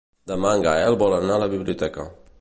Demà en Gaël vol anar a la biblioteca.